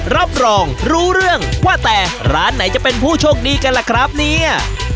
รับรองรู้เรื่องว่าแต่ร้านไหนจะเป็นผู้โชคดีกันล่ะครับเนี่ย